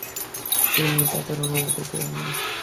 তিনি তাদের অনুমতি দিবেন না